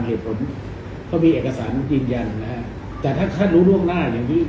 เผ่มเขามีเอกสารยินยันนะคะแต่ถ้าน่ะท่านรู้ร่วมหน้ายังดี